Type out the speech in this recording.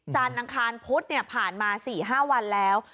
จานอังคารพุทธเนี่ยผ่านมา๔๕วันแล้ว